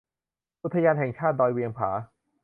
อุทยานแห่งชาติดอยเวียงผา